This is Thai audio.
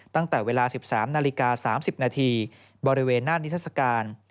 ตั้งแต่เวลา๑๓นาฬิกา๓๐นาทีบริเวณหน้านิทัศกาล